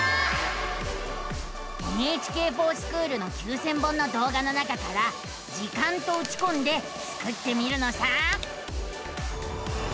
「ＮＨＫｆｏｒＳｃｈｏｏｌ」の９，０００本のどう画の中から「時間」とうちこんでスクってみるのさ！